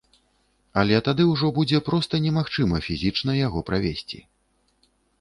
Але тады ўжо будзе проста немагчыма фізічна яго правесці.